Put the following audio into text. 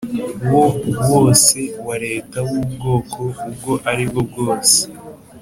wo wose wa Leta w ubwoko ubwo ari bwo bwose